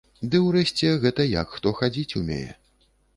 Ды ўрэшце, гэта як хто хадзіць умее.